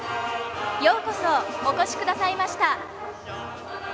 ようこそお越しくださいました！